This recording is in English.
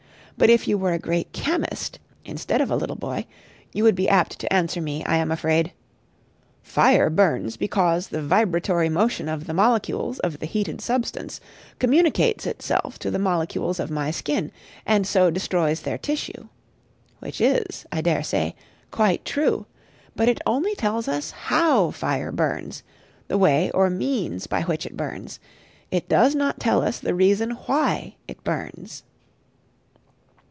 But if you were a great chemist, instead of a little boy, you would be apt to answer me, I am afraid, "Fire burns because the vibratory motion of the molecules of the heated substance communicates itself to the molecules of my skin, and so destroys their tissue;" which is, I dare say, quite true: but it only tells us how fire burns, the way or means by which it burns; it does not tell us the reason why it burns.